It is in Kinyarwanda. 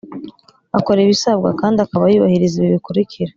Akora ibisabwa kandi akaba yubahiriza ibi bikurikira